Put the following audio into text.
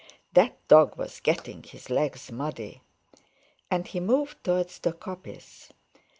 That dog was getting his legs muddy! And he moved towards the coppice.